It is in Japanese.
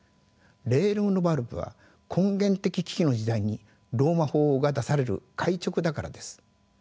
レールム・ノヴァルムは根源的危機の時代にローマ法王が出される回勅だからです。